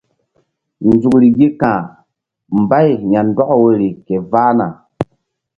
Nzukri gi ka̧h mbay ya̧ndɔk woyri ke vahna.